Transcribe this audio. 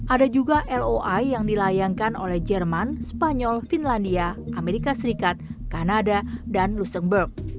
ada juga loi yang dilayangkan oleh jerman spanyol finlandia amerika serikat kanada dan luxengburg